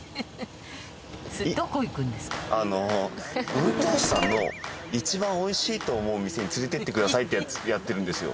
運転手さんの一番美味しいと思う店に連れてってくださいってやつやってるんですよ。